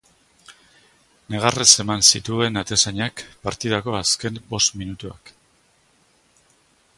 Negarrez eman zituen atezainak partidako azken bost minutuak.